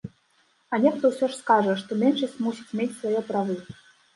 А нехта ўсё ж скажа, што меншасць мусіць мець свае правы.